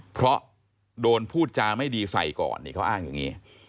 เพราะโดนพูดจาไม่ดีใส่ก่อนนี่เขาอ้างอย่างนี้